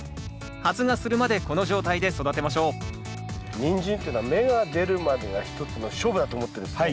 発芽するまでこの状態で育てましょうニンジンっていうのは芽が出るまでが一つの勝負だと思ってですね